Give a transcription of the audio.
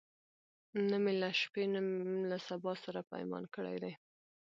نه می له شپې نه له سبا سره پیمان کړی دی